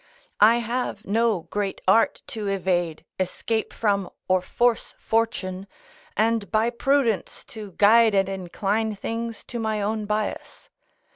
I have no great art to evade, escape from or force fortune, and by prudence to guide and incline things to my own bias.